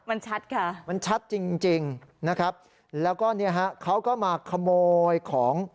มันชัดค่ะมันชัดจริงจริงนะครับแล้วก็เนี่ยฮะเขาก็มาขโมยของ